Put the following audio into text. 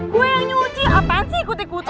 gue yang nyuci apaan sih kutik kutik